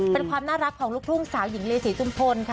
เป็นความน่ารักของลูกทุ่งสาวหญิงลีศรีจุมพลค่ะ